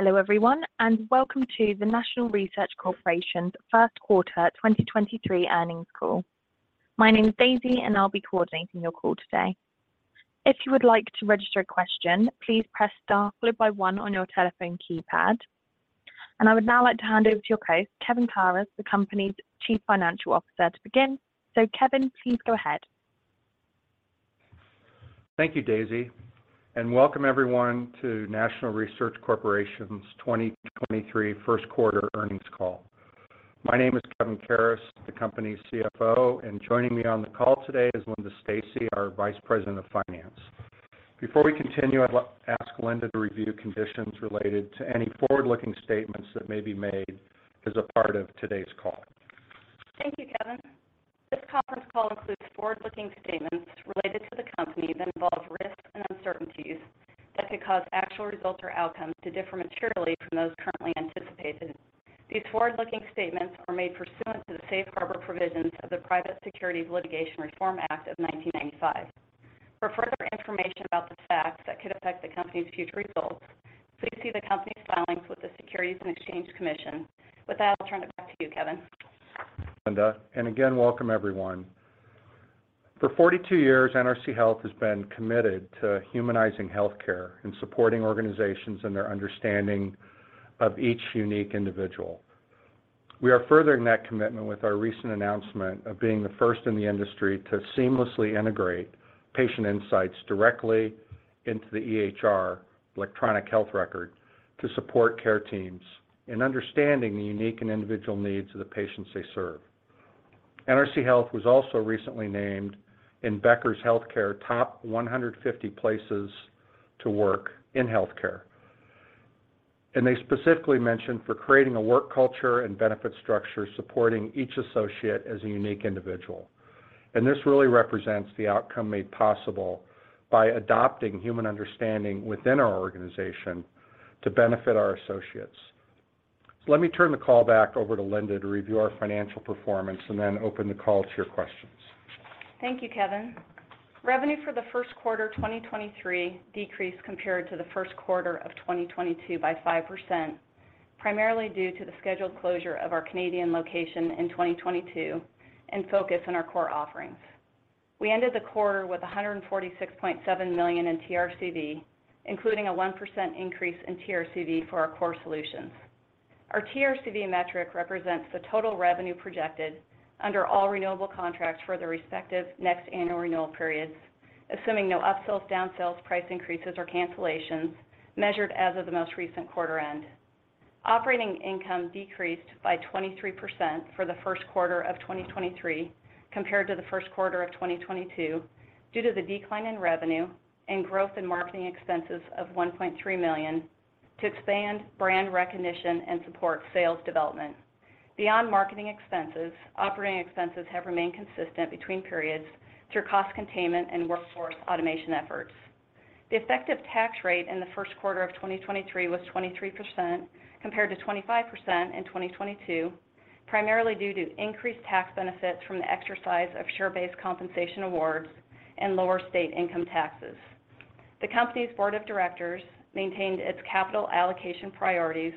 Hello everyone, and welcome to the National Research Corporation's 1st Quarter 2023 Earnings Call. My name is Daisy, and I'll be coordinating your call today. If you would like to register a question, please press star followed by one on your telephone keypad. I would now like to hand over to your host, Kevin Karas, the company's Chief Financial Officer, to begin. Kevin, please go ahead. Thank you, Daisy. Welcome everyone to National Research Corporation's 2023 first quarter earnings call. My name is Kevin Karas, the company's CFO, and joining me on the call today is Linda Stacy, our Vice President of Finance. Before we continue, I'd like to ask Linda to review conditions related to any forward-looking statements that may be made as a part of today's call. Thank you, Kevin. This conference call includes forward-looking statements related to the company that involve risks and uncertainties that could cause actual results or outcomes to differ materially from those currently anticipated. These forward-looking statements are made pursuant to the safe harbor provisions of the Private Securities Litigation Reform Act of 1995. For further information about the facts that could affect the company's future results, please see the company's filings with the Securities and Exchange Commission. With that, I'll turn it back to you, Kevin. Linda. Again, welcome everyone. For 42 years, NRC Health has been committed to humanizing healthcare and supporting organizations in their understanding of each unique individual. We are furthering that commitment with our recent announcement of being the first in the industry to seamlessly integrate patient insights directly into the EHR, Electronic Health record, to support care teams in understanding the unique and individual needs of the patients they serve. NRC Health was also recently named in Becker's Healthcare top 150 places to work in healthcare. They specifically mentioned for creating a work culture and benefit structure supporting each associate as a unique individual. This really represents the outcome made possible by adopting human understanding within our organization to benefit our associates. Let me turn the call back over to Linda to review our financial performance and then open the call to your questions. Thank you, Kevin. Revenue for the first quarter 2023 decreased compared to the first quarter of 2022 by 5%, primarily due to the scheduled closure of our Canadian location in 2022 and focus on our core offerings. We ended the quarter with $146.7 million in TRCV, including a 1% increase in TRCV for our core solutions. Our TRCV metric represents the total revenue projected under all renewable contracts for the respective next annual renewal periods, assuming no upsells, downsells, price increases, or cancellations, measured as of the most recent quarter end. Operating income decreased by 23% for the first quarter of 2023 compared to the first quarter of 2022 due to the decline in revenue and growth in marketing expenses of $1.3 million to expand brand recognition and support sales development. Beyond marketing expenses, operating expenses have remained consistent between periods through cost containment and workforce automation efforts. The effective tax rate in the first quarter of 2023 was 23%, compared to 25% in 2022, primarily due to increased tax benefits from the exercise of share-based compensation awards and lower state income taxes. The company's board of directors maintained its capital allocation priorities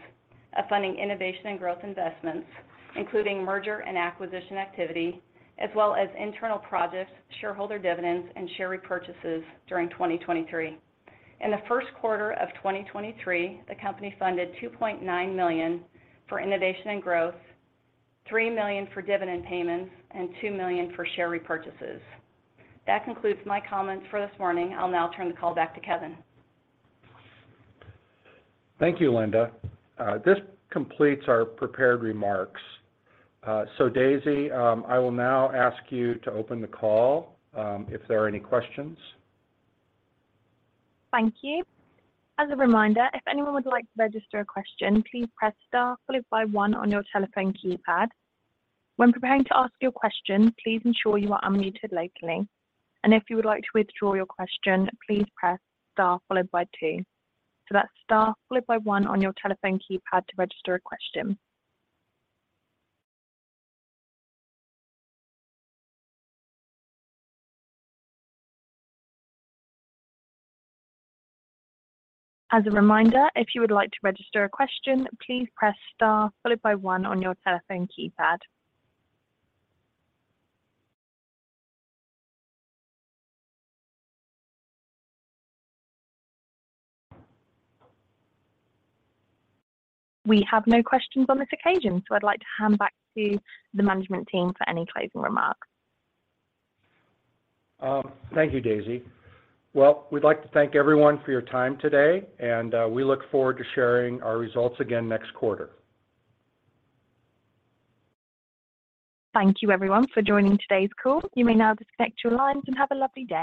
of funding innovation and growth investments, including merger and acquisition activity, as well as internal projects, shareholder dividends, and share repurchases during 2023. In the first quarter of 2023, the company funded $2.9 million for innovation and growth, $3 million for dividend payments, and $2 million for share repurchases. That concludes my comments for this morning. I'll now turn the call back to Kevin. Thank you, Linda. This completes our prepared remarks. Daisy, I will now ask you to open the call, if there are any questions. Thank you. As a reminder, if anyone would like to register a question, please press star followed by one on your telephone keypad. When preparing to ask your question, please ensure you are unmuted locally. If you would like to withdraw your question, please press star followed by two. That's star followed by one on your telephone keypad to register a question. As a reminder, if you would like to register a question, please press star followed by one on your telephone keypad. We have no questions on this occasion, so I'd like to hand back to the management team for any closing remarks. Thank you, Daisy. Well, we'd like to thank everyone for your time today, and we look forward to sharing our results again next quarter. Thank you everyone for joining today's call. You may now disconnect your lines and have a lovely day.